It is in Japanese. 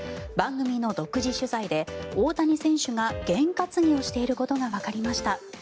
番組の独自取材で大谷選手がげん担ぎをしていることがわかりました。